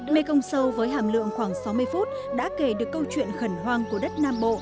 mê công sâu với hàm lượng khoảng sáu mươi phút đã kể được câu chuyện khẩn hoang của đất nam bộ